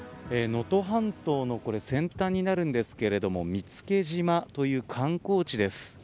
能登半島の先端になるんですけれども見附島という観光地です。